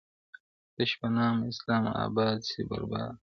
تش په نام اسلام اباده سې برباده,